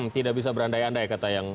tidak bisa berandai andai kata yang